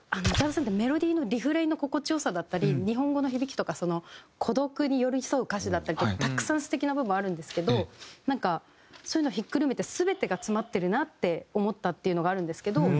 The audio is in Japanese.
宇多田さんってメロディーのリフレインの心地良さだったり日本語の響きとか孤独に寄り添う歌詞だったりとかたくさん素敵な部分あるんですけどなんかそういうのをひっくるめて全てが詰まってるなって思ったっていうのがあるんですけど。